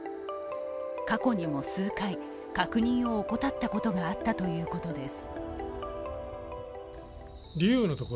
過去にも数回、確認を怠ったことがあるということです。